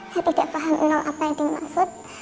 saya tidak paham apa yang dimaksud